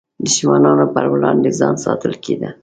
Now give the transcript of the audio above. دښمنانو پر وړاندې ځان ساتل کېده.